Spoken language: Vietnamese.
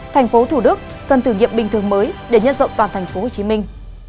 thành phố thủ đức cần thử nghiệm bình thường mới để nhân rộng toàn thành phố hồ chí minh